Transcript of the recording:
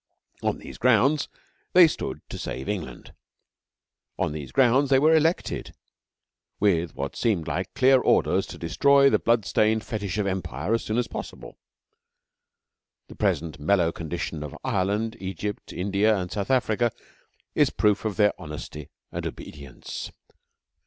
On these grounds they stood to save England; on these grounds they were elected, with what seemed like clear orders to destroy the blood stained fetish of Empire as soon as possible. The present mellow condition of Ireland, Egypt, India, and South Africa is proof of their honesty and obedience.